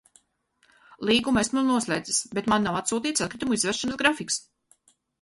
Līgumu esmu noslēdzis, bet man nav atsūtīts atkritumu izvešanas grafiks.